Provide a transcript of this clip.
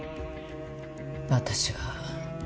私は。